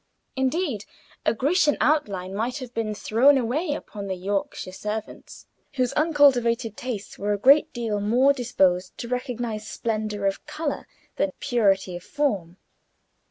Indeed, a Grecian outline might have been thrown away upon the Yorkshire servants, whose uncultivated tastes were a great deal more disposed to recognize splendor of color than purity of form.